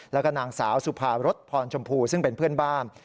แล้วก็นางสาวสุภารสพชมพูซึ่งเป็นเพื่อนบ้าน